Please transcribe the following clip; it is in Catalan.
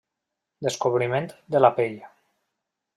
Descobriment de la Pell.